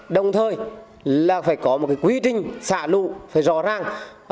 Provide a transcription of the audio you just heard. đồng thời là phải có một quy trình xả lũ phải rõ ràng